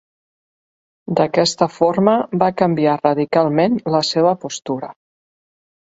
D'aquesta forma, va canviar radicalment la seva postura.